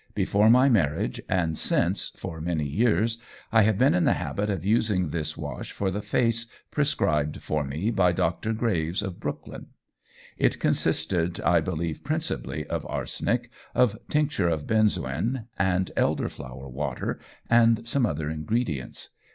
Before my marriage, and since for many years, I have been in the habit of using this wash for the face prescribed for me by Dr. Graves, of Brooklyn. It consisted, I believe, principally of arsenic, of tincture of benzoin, and elder flower water, and some other ingredients.